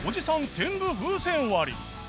天狗風船割り